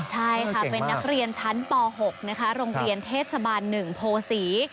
ใช่ค่ะเป็นนักเรียนชั้นป๖นะคะโรงเรียนเทศบาล๑โพศี